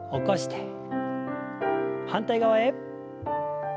反対側へ。